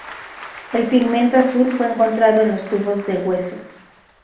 El pigmento azul fue encontrado en los tubos de hueso.